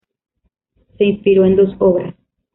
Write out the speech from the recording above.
Se inspiró en dos obras.